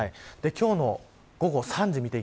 今日の午後３時です。